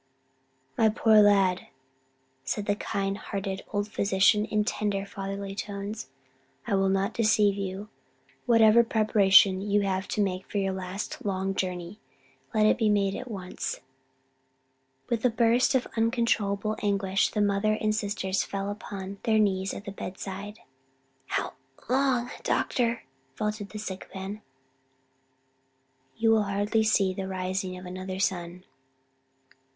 "My poor lad," said the kind hearted old physician, in tender, fatherly tones, "I will not deceive you. Whatever preparation you have to make for your last long journey, let it be made at once." With a burst of uncontrollable anguish the mother and sisters fell upon their knees at the bedside. "How long doctor?" faltered the sick man. "You will hardly see the rising of another sun."